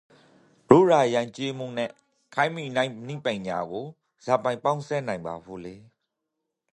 ရိုးရာယိုင်ကျေးမှုနန့်ခေတ်မီနည်းပိုင်ညာကိုဇာပိုင်ပေါင်းစပ်နိုင်ပါဖို့လည်း